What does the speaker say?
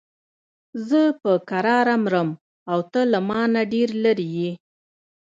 زه په کراره مرم او ته له مانه ډېر لرې یې.